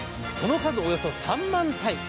その数、およそ３万体。